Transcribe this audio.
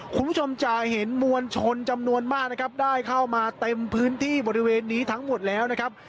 คุณผู้ชมจะเห็นมวลชนจำนวนมาก